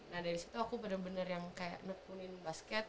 nah dari situ aku bener bener yang kayak nekunin basket